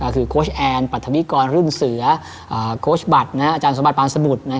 คือโค้ชแอนปรัฐนิกรรุ่นเสือโค้ชบัตรอาจารย์สมบัติปานสมุทร